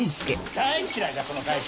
大っ嫌いだこの会社。